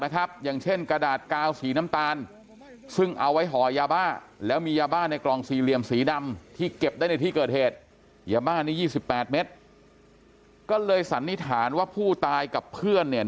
หญิงบ้านนี้๒๘เมตรก็เลยสันนิษฐานว่าผู้ตายกับเพื่อนเนี่ย